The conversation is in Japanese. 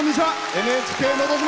「ＮＨＫのど自慢」